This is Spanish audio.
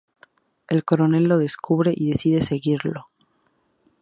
El Coronel lo descubre, y decide seguirlo.